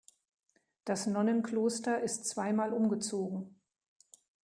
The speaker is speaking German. Das Nonnenkloster ist zweimal umgezogen.